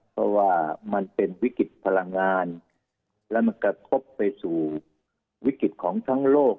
เพราะว่ามันเป็นวิกฤตพลังงานและมันกระทบไปสู่วิกฤตของทั้งโลก